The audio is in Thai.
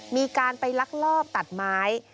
มีการไปลักลอบตัดไม้